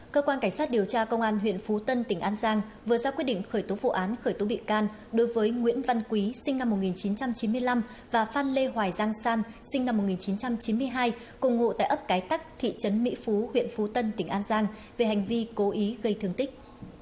cơ quan cảnh sát điều tra công an huyện phú tân tỉnh an giang vừa ra quyết định khởi tố vụ án khởi tố bị can đối với nguyễn văn quý sinh năm một nghìn chín trăm chín mươi năm và phan lê hoài giang san sinh năm một nghìn chín trăm chín mươi hai cùng ngụ tại ấp cái tắc thị trấn mỹ phú huyện phú tân tỉnh an giang về hành vi cố ý gây thương tích